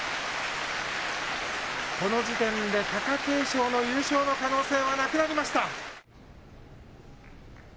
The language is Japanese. この時点で貴景勝の優勝の可能性は、なくなりました。